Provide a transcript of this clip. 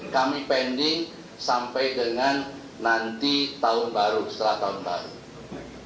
kami pending sampai dengan nanti tahun baru setelah tahun baru